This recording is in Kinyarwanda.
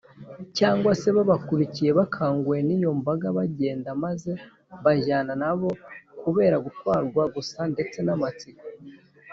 cyangwa se babakurikiye bakanguwe n’iyo mbaga yagendaga maze bajyana nabo kubera gutwarwa gusa ndetse n’amatsiko.